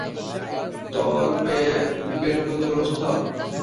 طور پہ بالکل درست تھا